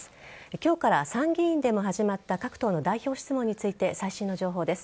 今日から参議院でも始まった各党の代表質問について最新の情報です。